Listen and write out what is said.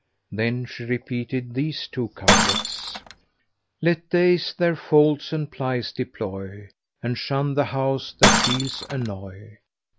Then she repeated these two couplets, "Let days their folds and plies deploy, * And shun the house that deals annoy!